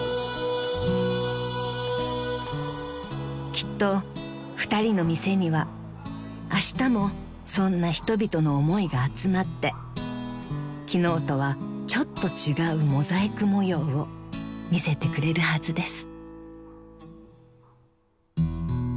［きっと２人の店にはあしたもそんな人々の思いが集まって昨日とはちょっと違うモザイク模様を見せてくれるはずです］